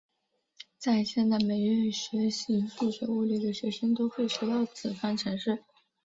在现代每位学习数学物理的学生都会学到此方程式。